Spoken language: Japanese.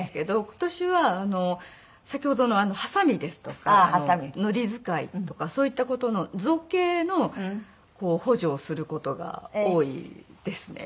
今年は先ほどのハサミですとかのり使いとかそういった事の造形の補助をする事が多いですね。